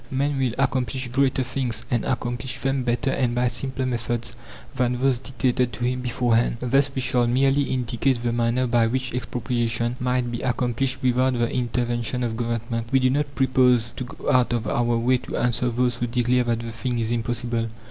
Man will accomplish greater things, and accomplish them better and by simpler methods than those dictated to him beforehand. Thus we shall merely indicate the manner by which expropriation might be accomplished without the intervention of Government. We do not propose to go out of our way to answer those who declare that the thing is impossible.